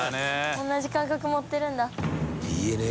同じ感覚持ってるんだ。